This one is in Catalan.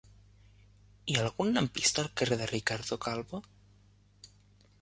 Hi ha algun lampista al carrer de Ricardo Calvo?